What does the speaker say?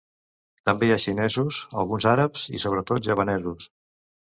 També hi ha xinesos, alguns àrabs i sobretot javanesos.